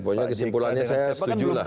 pokoknya kesimpulannya saya setuju lah